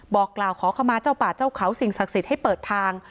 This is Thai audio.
บอกกล่าวขอเข้ามาเจ้าป่าเจ้าเขาสิ่งศักดิ์สิทธิ์ให้เปิดทาง